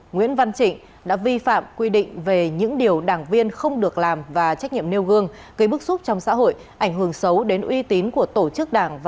nguyễn văn trịnh đã vi phạm quy định về những điều đảng viên không được làm và trách nhiệm nêu gương